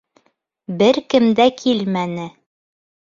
Бер кем дә килмәне.